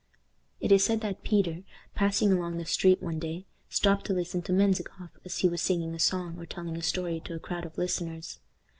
It is said that Peter, passing along the street one day, stopped to listen to Menzikoff as he was singing a song or telling a story to a crowd of listeners.